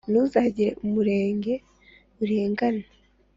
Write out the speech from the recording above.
ntuzagire umurenge urengana